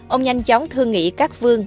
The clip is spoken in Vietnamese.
ông nhanh chóng thương nghị các vương